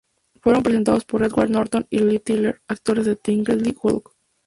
Fueron presentados por Edward Norton y Liv Tyler, actores de "The Incredible Hulk".